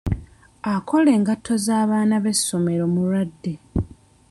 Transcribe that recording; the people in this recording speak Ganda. Akola engatto z'abaana b'essomero mulwadde.